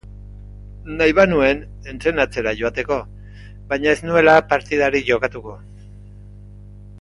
Nahi banuen, entrenatzera joateko, baina ez nuela partidarik jokatuko.